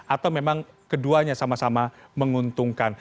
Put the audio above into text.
atau memang keduanya sama sama menguntungkan